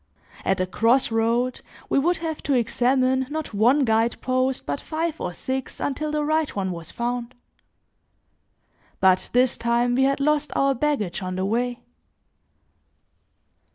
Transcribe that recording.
At a cross road, we would have to examine not one guide post, but five or six until the right one was found. But this time we had lost our baggage on the way.